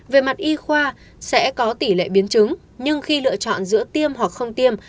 về mặt y khoa sẽ có tỷ lệ biến chứng nhưng khi lựa chọn giữa tiêm hoặc không tiêm